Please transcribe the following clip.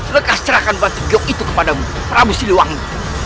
lekas serahkan batu giyok itu kepadamu prabu siliwangi